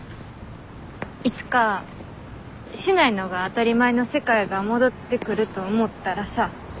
いつかしないのが当たり前の世界が戻ってくると思ったらさ。